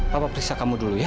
bapak periksa kamu dulu ya